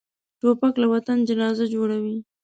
توپک له وطن جنازه جوړوي.